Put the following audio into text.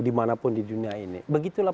dimanapun di dunia ini begitulah